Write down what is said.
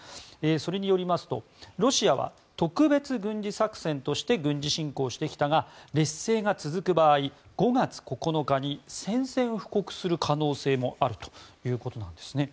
それによりますとロシアは特別軍事作戦として軍事侵攻してきたが劣勢が続く場合５月９日に宣戦布告する可能性もあるということなんです。